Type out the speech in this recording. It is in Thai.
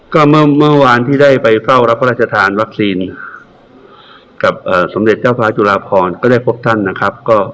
ก็เมื่อวานที่ได้ไปเฝ้ารับพระราชทานวัคซีนกับสมเด็จเจ้าฟ้าจุฬาพรก็ได้พบท่านนะครับ